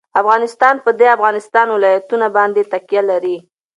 افغانستان په د افغانستان ولايتونه باندې تکیه لري.